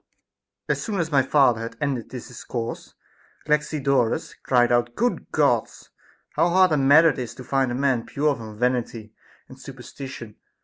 9. As soon as my father had ended this discourse, Galaxi dorus cried out : Good Gods ! how hard a matter is it to find a man pure from vanity and superstition